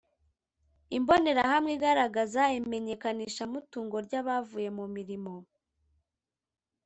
Imbonerahamwe igaragaza imenyekanishamutungo ry’abavuye mu mirimo